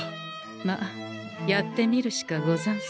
まあやってみるしかござんせん。